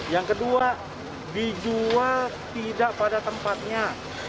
yang kedua dijual tidak pada tempatnya